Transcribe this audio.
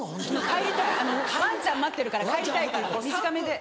帰りたいワンちゃん待ってるから帰りたいから短めで。